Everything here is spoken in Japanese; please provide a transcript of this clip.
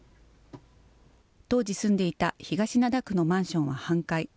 当時住んでいた東灘区のマンションは半壊。